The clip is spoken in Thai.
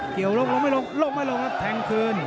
เกี่ยวลบลงไม่ลงลบไม่ลงแทงคืน